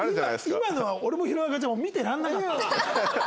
今のは俺も弘中ちゃんも見てらんなかった。